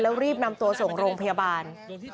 แล้วรีบนำตัวส่งโรงพยาบาล